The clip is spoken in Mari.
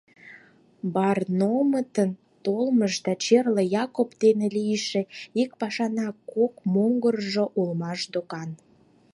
Баронмытын толмышт да Черле-Якоб дене лийше ик пашанак кок могыржо улмаш докан.